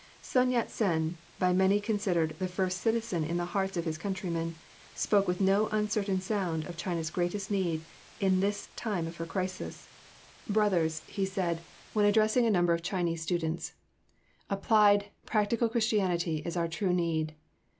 Sun Yat Sen, by many considered "the first citizen in the hearts of his countrymen," spoke with no uncertain sound of China's greatest need in this time of her crisis. "Brothers," he said, when addressing a number of Chinese students, "applied, practical Christianity is our true need.